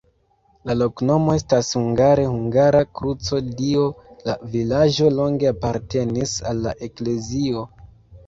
La loknomo estas hungare: hungara-kruco-Dio, la vilaĝo longe apartenis al la eklezio.